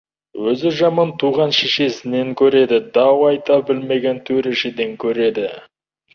Өзі жаман туған шешесінен көреді, дау айта білмеген төрешіден көреді.